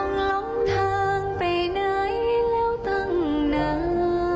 ลงทางไปไหนแล้วตั้งนาน